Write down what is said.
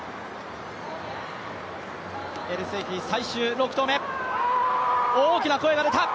エルセイフィ、最終６９投目、大きな声が出た。